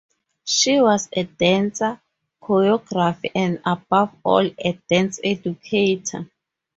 She was a dancer, choreographer, and above all, a dance educator.